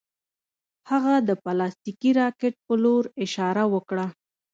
هغه د پلاستیکي راکټ په لور اشاره وکړه